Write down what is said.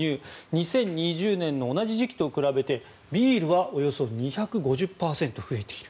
２０２０年の同じ時期と比べてビールはおよそ２５０％増えている。